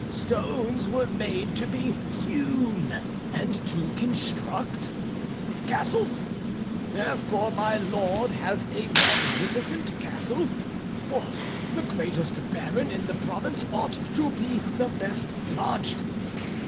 Stones were made to be hewn, and to construct castles therefore my lord has a magnificent castle; for the greatest baron in the province ought to be the best lodged.